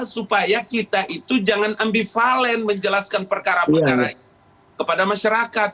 supaya kita itu jangan ambivalen menjelaskan perkara perkara kepada masyarakat